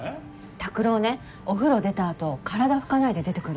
拓郎ねお風呂出た後体拭かないで出てくるの。